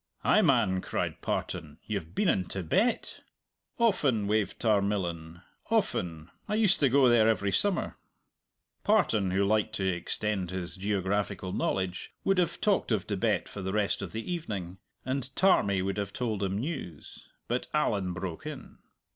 "Ay, man!" cried Partan, "you've been in Tibet?" "Often," waved Tarmillan, "often! I used to go there every summer." Partan, who liked to extend his geographical knowledge, would have talked of Tibet for the rest of the evening and Tarmie would have told him news but Allan broke in.